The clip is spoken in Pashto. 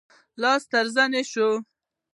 لاس تر زنې شو.